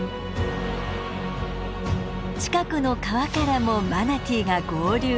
近くの川からもマナティーが合流。